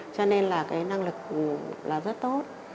cho nên là cái năng lực là rất tốt